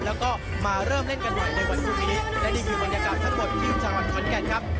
แล้วก็มาเริ่มเล่นกันใหม่ในวันพรุ่งนี้และนี่คือบรรยากาศทั้งหมดที่จังหวัดขอนแก่นครับ